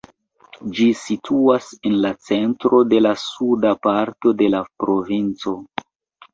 Ĝi situas en la centro de la suda parto de la provinco.